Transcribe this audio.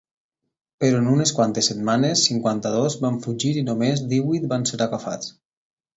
Però en unes quantes setmanes, cinquanta-dos van fugir i només divuit van ser agafats.